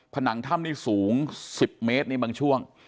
ผนังถ้ำนี่สูง๑๐เมตรนี่บางช่วง